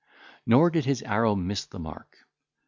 Nor did his arrow miss the mark.